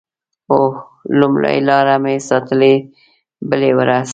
اوه…لومړۍ لاره مې ساتلې بلې ورځ ته